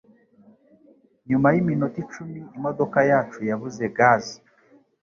Nyuma yiminota icumi imodoka yacu yabuze gaze